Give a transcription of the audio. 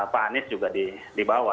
pak anies juga dibawa